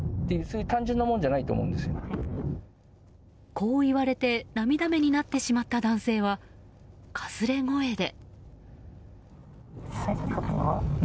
こう言われて涙目になってしまった男性はかすれ声で。